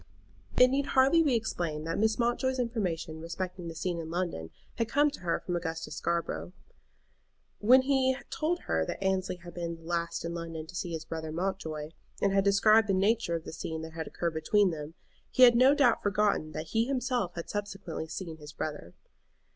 It need hardly be explained that Mrs. Mountjoy's information respecting the scene in London had come to her from Augustus Scarborough. When he told her that Annesley had been the last in London to see his brother Mountjoy, and had described the nature of the scene that had occurred between them, he had no doubt forgotten that he himself had subsequently seen his brother.